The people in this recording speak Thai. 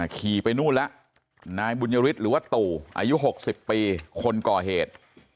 ขี่ไปนู่นแล้วนายบุญยฤทธิ์หรือว่าตู่อายุ๖๐ปีคนก่อเหตุ